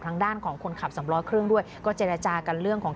ทางด้านของคนขับสำล้อเครื่องด้วยก็เจรจากันเรื่องของ